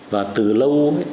và từ lâu ấy